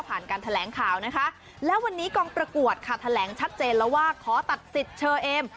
การแถลงข่าวนะคะแล้ววันนี้กองประกวดค่ะแถลงชัดเจนแล้วว่าขอตัดสิทธิ์เชอเอม